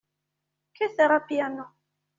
Kkateɣ apyanu.